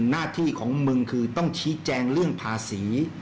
หน้าที่ของมึงคือต้องชี้แจงเรื่องภาษี